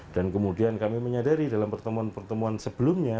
dan kemudian kami menyadari dalam pertemuan pertemuan sebelumnya